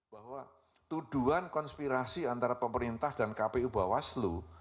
bahwa tuduhan konspirasi antara pemerintah dan kpu bawaslu